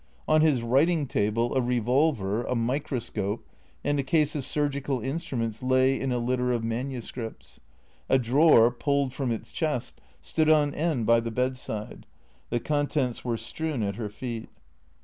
On his writing table a revolver, a microscope, and a case of surgical instruments lay in a litter of manuscripts. A drawer, pulled from its chest, stood on end by the bedside; the contents were strewn at her feet.